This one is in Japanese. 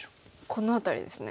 この辺りですね。